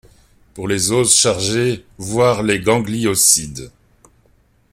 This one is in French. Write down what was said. Pour les oses chargés voir les gangliosides.